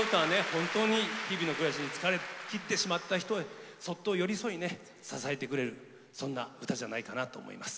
本当に日々の暮らしに疲れ切ってしまった人へそっと寄り添いね支えてくれるそんな歌じゃないかなと思います。